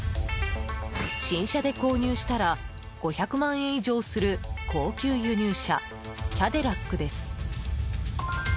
新車で購入したら５００万円以上する高級輸入車キャデラックです。